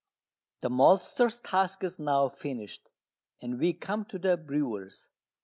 The maltster's task is now finished, and we come to the brewer's.